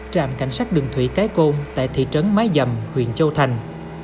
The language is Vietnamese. trạm cảnh sát đường thủy cái côn tại thị trấn mái dầm huyện châu thành